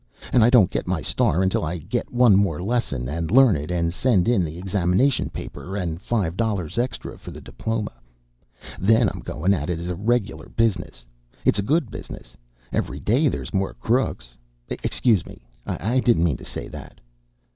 And I don't get my star until I get one more lesson, and learn it, and send in the examination paper, and five dollars extra for the diploma. Then I'm goin' at it as a reg'lar business. It's a good business. Every day there's more crooks excuse me, I didn't mean to say that."